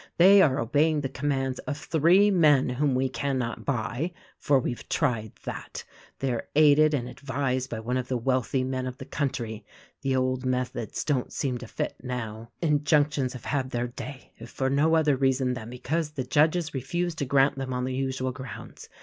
They are obeying the commands of three men whom we cannot buy (for we've tried that); they are aided and advised by one of the wealthy men of the country. The old methods don't seem to fit now. Injunctions have had their day — if for no other reason, then because the Judges refuse to grant them on the usual grounds.